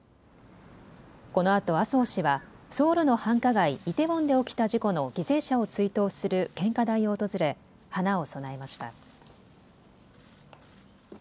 このあと麻生氏はソウルの繁華街、イテウォンで起きた事故の犠牲者を追悼する献花台を訪れ花を供えました。